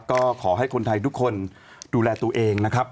ก็ขอให้คนไทยทุกคนดูแลตัวเองนะครับ